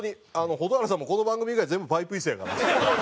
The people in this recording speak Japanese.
蛍原さんもこの番組以外全部パイプ椅子やからね。